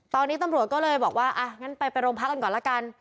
ตอนนี้ตำรวจก็เลยบอกว่าอ่ะงั้นไปไปโรงพักกันก่อนละกัน